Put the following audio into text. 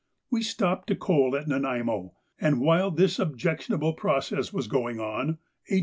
We stopped to coal at Nanaimo, and while this objectionable process was going on, H.